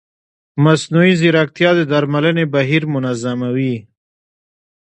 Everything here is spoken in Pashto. مصنوعي ځیرکتیا د درملنې بهیر منظموي.